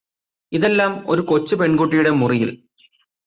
ഇതെല്ലാം ഒരു കൊച്ചു പെണ്കുട്ടിയുടെ മുറിയില്